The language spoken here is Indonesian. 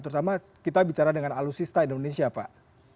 terutama kita bicara dengan alutsista indonesia pak